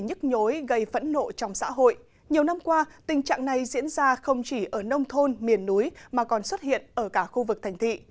nhiều năm qua tình trạng này diễn ra không chỉ ở nông thôn miền núi mà còn xuất hiện ở cả khu vực thành thị